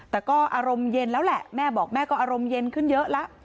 แต่ก็อารมณ์เย็นแล้วแหละแม่บอกแม่ก็อารมณ์เย็นขึ้นเยอะแล้ว